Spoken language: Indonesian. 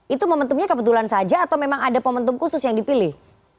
itu momentumnya kebetulan saja atau memang ada momentum khusus yang dipilih